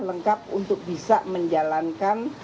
lengkap untuk bisa menjalankan